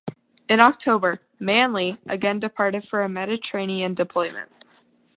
In October, "Manley" again departed for a Mediterranean deployment.